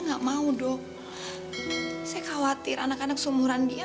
saya khawatir anak anak seumuran dia